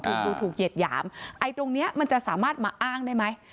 ถูกดูถูกเหยียดหยามไอ้ตรงเนี้ยมันจะสามารถมาอ้างได้ไหม